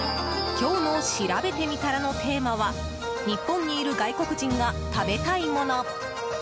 今日のしらべてみたらのテーマは日本にいる外国人が食べたいもの。